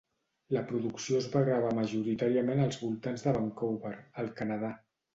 La producció es va gravar majoritàriament als voltants de Vancouver, al Canadà.